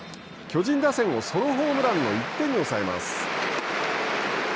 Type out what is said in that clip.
巨人打線をソロホームランの１点に抑えます。